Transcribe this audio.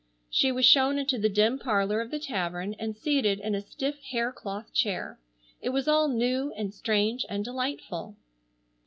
She was shown into the dim parlor of the tavern and seated in a stiff hair cloth chair. It was all new and strange and delightful.